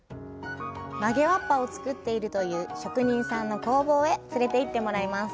曲げわっぱを作っているという職人さんの工房へ連れていってもらいます。